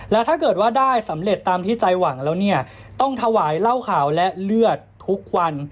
แล้วถ้าเกิดว่าได้สำเร็จตามที่ใจหวังแล้วเนี่ยต้องถวายเหล้าขาวและเลือดทุกวัน